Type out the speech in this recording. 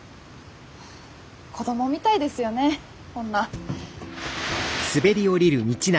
子供みたいですよねこんな。